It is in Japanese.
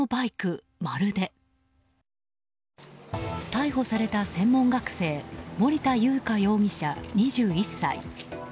逮捕された専門学生森田祐加容疑者、２１歳。